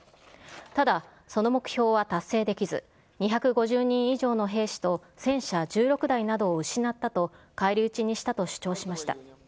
ただ、その目標は達成できず、２５０人以上の兵士と戦車１６台などを失ったと返り討ちにしたと主張しました。